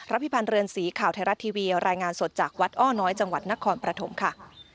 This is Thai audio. พิพันธ์เรือนสีข่าวไทยรัฐทีวีรายงานสดจากวัดอ้อน้อยจังหวัดนครปฐมค่ะ